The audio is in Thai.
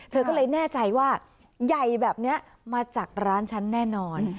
เธอก็เลยแน่ใจว่าใหญ่แบบนี้มาจากร้านฉันแน่นอน